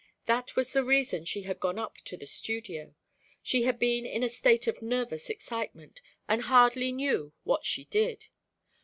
That was the reason she had gone up to the studio; she had been in a state of nervous excitement and hardly knew what she did.